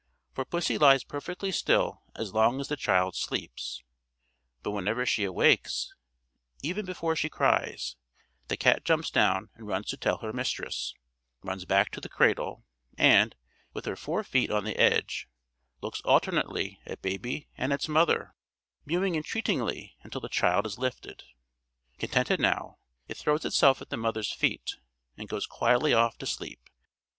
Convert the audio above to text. For pussy lies perfectly still as long as the child sleeps; but whenever she awakes, even before she cries, the cat jumps down and runs to tell her mistress, runs back to the cradle, and, with her forefeet on the edge, looks alternately at baby and its mother, mewing entreatingly until the child is lifted. Contented now, it throws itself at the mother's feet, and goes quietly off to sleep.